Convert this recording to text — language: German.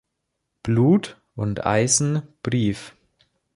„Blut und Eisen“-Brief.